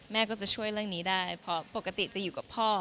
แม่ก็จะช่วยเรื่องนี้ได้เพราะปกติจะอยู่กับพ่อ